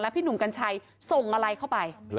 พี่หนุ่มกัญชัยส่งอะไรเข้าไป